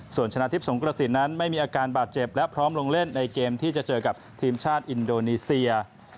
ส่วนชนะทิพย์สงกระสินนั้นไม่มีอาการบาดเจ็บและพร้อมลงเล่นในเกมที่จะเจอกับทีมชาติอินโดนีเซีย